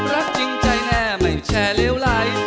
รักจริงใจแน่ไม่แชร์เลวไหล